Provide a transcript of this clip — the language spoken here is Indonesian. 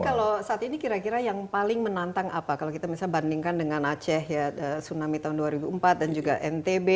tapi kalau saat ini kira kira yang paling menantang apa kalau kita misalnya bandingkan dengan aceh ya tsunami tahun dua ribu empat dan juga ntb